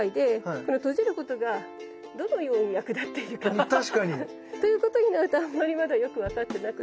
うん確かに。ということになるとあんまりまだよく分かってなくって。